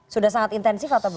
sudah sangat intensif atau belum